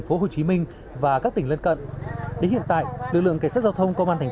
phố hồ chí minh và các tỉnh lân cận đến hiện tại lực lượng cảnh sát giao thông công an thành